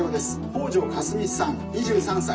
北條かすみさん２３歳。